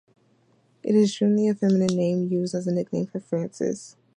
It is generally a feminine name used as a nickname for Frances.